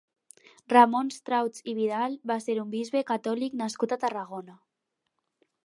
Ramon Strauch i Vidal va ser un bisbe catòlic nascut a Tarragona.